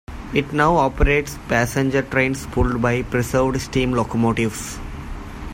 It now operates passenger trains pulled by preserved steam locomotives.